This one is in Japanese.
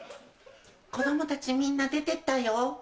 子供たちみんな出てったよ。